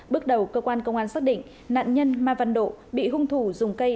bước đầu công an xác định nạn nhân ma văn độ bị hung thủ dùng cây